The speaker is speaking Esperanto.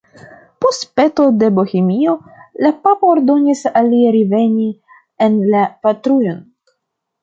Post peto de Bohemio la papo ordonis al li reveni en la patrujon.